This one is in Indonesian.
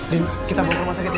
din kita pulang ke rumah sakit ya